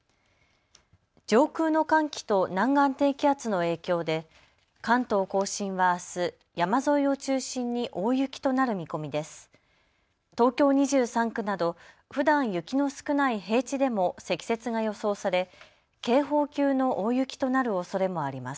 上空の寒気と南岸低気圧の影響で関東甲信はあす、山沿いを中心に大雪となる見込みです。